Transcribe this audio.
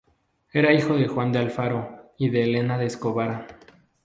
Era hijo de Juan de Alfaro y de Elena de Escobar.